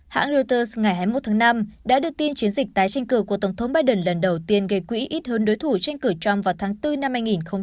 hãng reuters ngày hai mươi một tháng năm đã đưa tin chiến dịch tái tranh cử của tổng thống biden lần đầu tiên gây quỹ ít hơn đối thủ tranh cử trump vào tháng bốn năm hai nghìn hai mươi